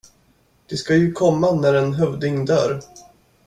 De ska ju komma när en hövding dör.